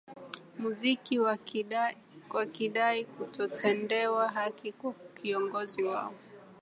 muziki wakidai kutotendewa haki kwa kiongozi wao